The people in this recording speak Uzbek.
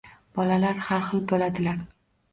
Bolalar har xil bo‘ladilar